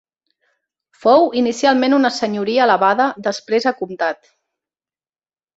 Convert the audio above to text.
Fou inicialment una senyoria elevada després a comtat.